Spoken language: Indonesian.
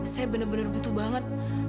saya bener bener butuh banget